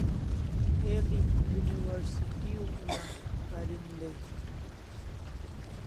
El'i university una parin dai